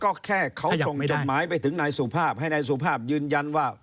ก็แค่เขาส่งจดหมายไปถึงนายสุภาพให้นายสุภาพยืนยันว่า